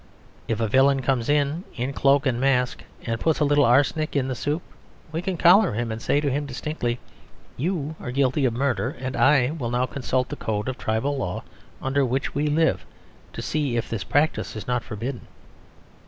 If a villain comes in, in cloak and mask, and puts a little arsenic in the soup, we can collar him and say to him distinctly, "You are guilty of Murder; and I will now consult the code of tribal law, under which we live, to see if this practice is not forbidden."